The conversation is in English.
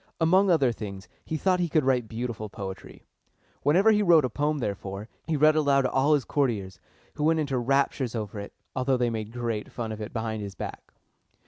Among other things, he thought he could write beautiful poetry. Whenever he wrote a poem, therefore, he read it aloud to all his courtiers, who went into raptures over it, although they made great fun of it behind his back.